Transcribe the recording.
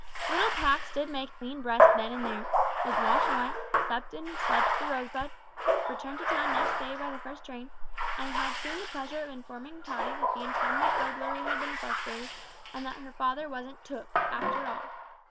Little Pax did make a clean breast then and there, was washed white, supped and slept at The Rosebud, returned to town next day by the first train, and had soon the pleasure of informing Tottie that the intended burglary had been frustrated, and that her father wasn't "took" after all.